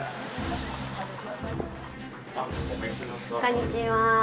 こんにちは。